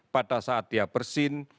pada saat dia bersin